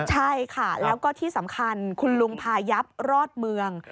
ใช่ค่ะแล้วก็ที่สำคัญคุณลุงพายับรอดเมือง